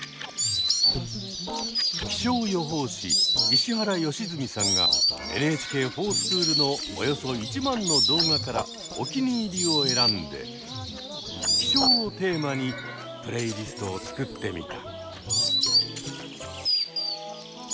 気象予報士石原良純さんが「ＮＨＫｆｏｒＳｃｈｏｏｌ」のおよそ１万の動画からおきにいりを選んで「気象」をテーマにプレイリストを作ってみた。